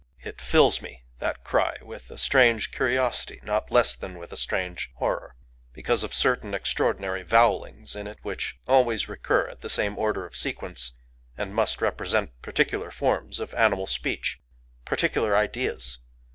It fills me, that cry, with a strange curiosity not less than with a strange horror,—because of certain extraordinary vowellings in it which always recur in the same order of sequence, and must represent particular forms of animal speech,—particular ideas.